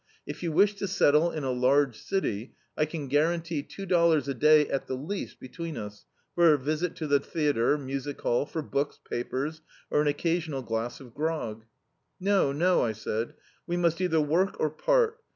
If you wish to settle in a large city, I can guarantee two dollars a day at the least, between us, for a visit to the theatre, music ball, for books, papers, or an occasional glass of grog." "No, no," I said, "we must either work or part.